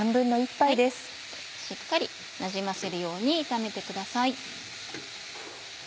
しっかりなじませるように炒めてください。